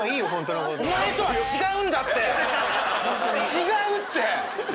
違うって！